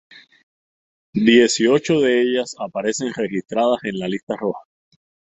Dieciocho de ellas aparecen registradas en la Lista Roja.